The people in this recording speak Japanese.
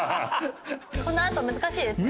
このあと難しいですよね。